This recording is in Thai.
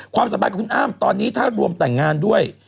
ความสบายของคุณอั้มตอนนี้ถ้ารวมแต่งงานด้วย